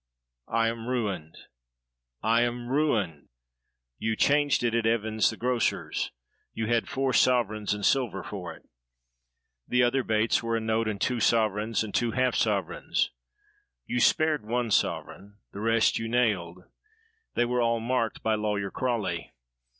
"I am ruined! I am ruined!" "You changed it at Evans' the grocer's; you had four sovereigns and silver for it. The other baits were a note and two sovereigns and two half sovereigns. You spared one sovereign, the rest you nailed. They were all marked by Lawyer Crawley.